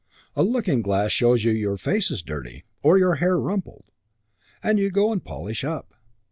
A looking glass shows you your face is dirty or your hair rumpled, and you go and polish up.